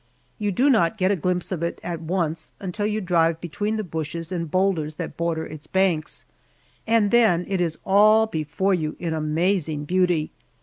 You do not get a glimpse of it once, until you drive between the bushes and boulders that border its banks, and then it is all before you in amazing beauty.